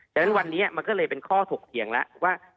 ฉะนั้นวันนี้มันก็เลยเป็นข้อถกเถียงแล้วว่า